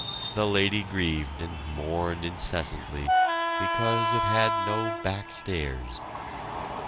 The lady grieved and mourned incessantly because it had no back stairs.